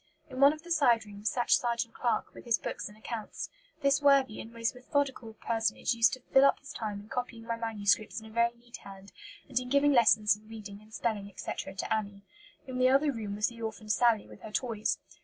In one of the side rooms sat Sergeant Clarke, with his books and accounts. This worthy and most methodical personage used to fill up his time in copying my manuscripts in a very neat hand, and in giving lessons in reading and spelling, etc., to Annie. In the other room was the orphan Sally, with her toys.